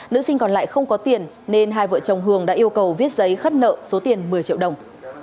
nữ sinh còn lại không có tiền nên hai vợ chồng hường đã yêu cầu viết giấy khất nợ số tiền một mươi triệu đồng